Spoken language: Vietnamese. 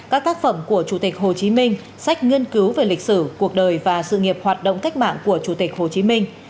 các tác phẩm của chủ tịch hồ chí minh sách nghiên cứu về lịch sử cuộc đời và sự nghiệp hoạt động cách mạng của chủ tịch hồ chí minh